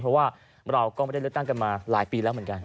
เพราะว่าเราก็ไม่ได้เลือกตั้งกันมาหลายปีแล้วเหมือนกัน